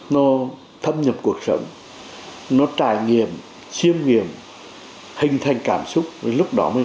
nó thâm nhập cuộc sống nó trải nghiệm chiêm nghiệm hình thành cảm xúc với lúc đó mới